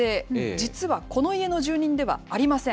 実はこの家の住人ではありません。